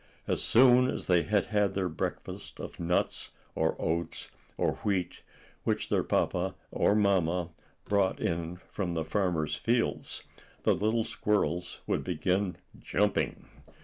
As soon as they had had their breakfast of nuts, or oats or wheat, which their papa or mamma brought in from the farmer's fields, the little squirrels would begin jumping.